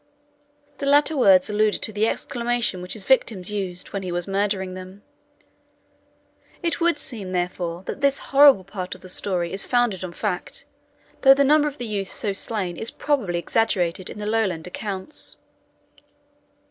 The latter words allude to the exclamation which his victims used when he was murdering them. It would seem, therefore, that this horrible part of the story is founded on fact, though the number of the youths so slain is probably exaggerated in the Lowland accounts.